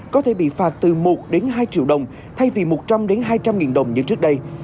có thể bị phạt từ một đến hai triệu đồng thay vì một trăm linh hai trăm linh nghìn đồng như trước đây